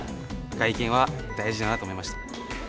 外見は大事だなと思いました。